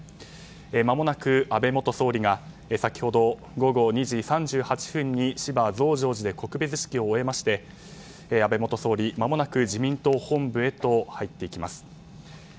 まもなく安倍元総理が先ほど午後２時３８分に増上寺で告別式を終えまして安倍元総理、まもなく自民党本部へと入っていきます。